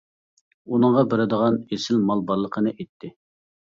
ئۇنىڭغا بېرىدىغان ئېسىل مال بارلىقىنى ئېيتتى.